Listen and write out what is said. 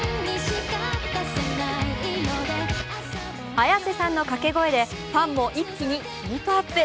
Ａｙａｓｅさんのかけ声でファンも一気にヒートアップ。